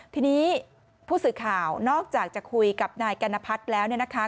ทีนี้ผู้สื่อข่าวนอกจากจะคุยกับนายกัณพัฒน์แล้วเนี่ยนะคะ